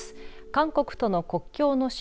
韓国との国境の島